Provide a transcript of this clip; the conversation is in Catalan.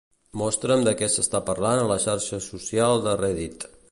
Mostra'm de què s'està parlant a la xarxa social de Reddit.